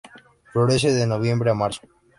Florece de noviembre a marzo.